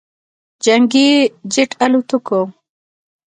جنګي جت الوتکو